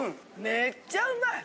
めっちゃうまい！